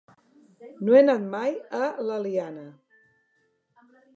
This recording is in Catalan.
No he anat mai a l'Eliana.